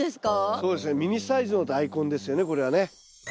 そうですねミニサイズのダイコンですよねこれはね。